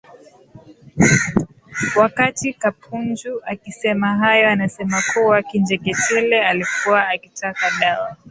Wakati Kapunju akisema hayo anasema kuwa Kinjeketile alikuwa akitaka dawa